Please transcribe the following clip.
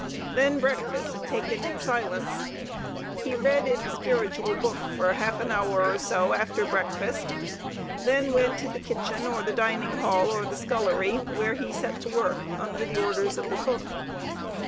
Then breakfast, taken in silence. He read in a spiritual book for half an hour or so after breakfast, then went to the kitchen or the dining hall or the scullery, where he set to work under the orders of the cook.